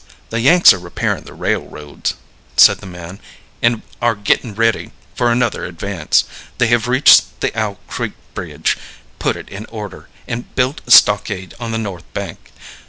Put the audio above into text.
"The Yanks are repairing the railroads," said the man, "and are getting ready for another advance. They have reached the Owl Creek Bridge, put it in order, and built a stockade on the north bank.